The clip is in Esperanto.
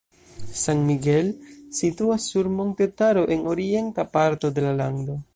San Miguel situas sur montetaro en orienta parto de la lando.